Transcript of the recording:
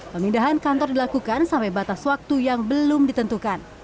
pemindahan kantor dilakukan sampai batas waktu yang belum ditentukan